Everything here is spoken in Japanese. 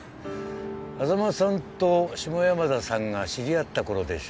波佐間さんと下山田さんが知り合った頃でしょ